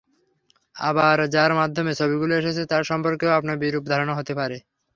আবার যাঁর মাধ্যমে ছবিগুলো এসেছে, তাঁর সম্পর্কেও আপনার বিরূপ ধারণা হতে পারে।